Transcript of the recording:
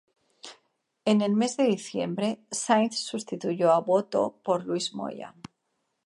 En el mes de diciembre, Sainz sustituyó a Boto por Luis Moya.